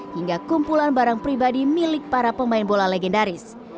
hingga kumpulan barang pribadi milik para pemain bola legendaris